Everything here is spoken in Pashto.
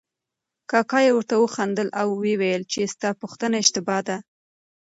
کاکا یې ورته وخندل او ویې ویل چې ستا پوښتنه اشتباه ده.